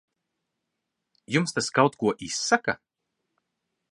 Jums tas kaut ko izsaka?